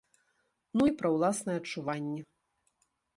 Ну і пра ўласныя адчуванні.